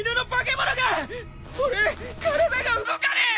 俺体が動かねえ！！